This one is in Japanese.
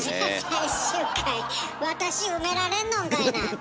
私埋められんのんかいな！